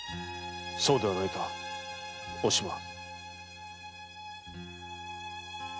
そうではないかおしま。